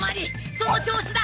その調子だ！